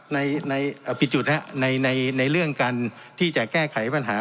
ในในอ่าปิดจุดฮะในในในเรื่องการที่จะแก้ไขปัญหา